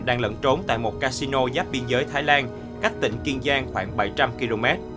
đang lẫn trốn tại một casino giáp biên giới thái lan cách tỉnh kiên giang khoảng bảy trăm linh km